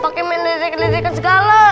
pake mendedek dedekin segala